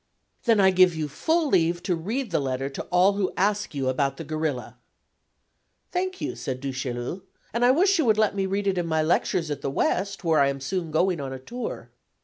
"Then I give you full leave to read the letter to all who ask you about the 'gorilla.'" "Thank you," said Du Chaillu, "and I wish you would let me read it in my lectures at the West, where I am soon going on a tour."